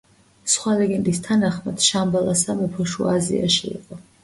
სხვა ლეგენდის თანახმად, შამბალას სამეფო შუა აზიაში იყო.